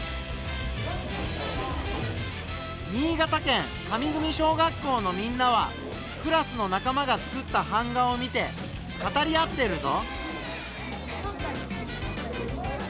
新潟県上組小学校のみんなはクラスの仲間が作った版画を見て語り合ってるぞ。